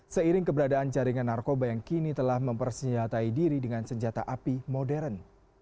seiring keberadaan jaringan narkoba yang kini telah mempersenjatai diri dengan senjata api modern